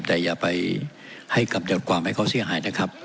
แต่อย่าไปให้กำจัดความให้เขาเสียหายนะครับ